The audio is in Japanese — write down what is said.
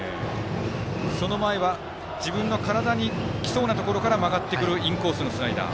その前は自分の体に来そうなところから曲がってくるインコースのスライダー。